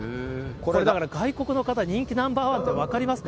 これ、だから外国の方に人気ナンバーワンというの分かりますね。